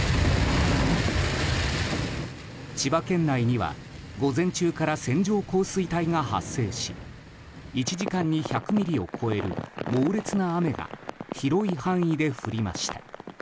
千葉県内には午前中から線状降水帯が発生し１時間に１００ミリを超える猛烈な雨が広い範囲で降りました。